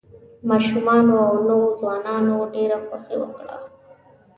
ماشومانو او نوو ځوانانو ډېره خوښي وکړه.